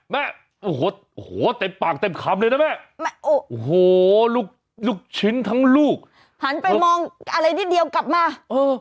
แม่โอ้โหลูกลูกชิ้นทั้งลูกหันไปมองอะไรนิดเดียวกลับมาเออ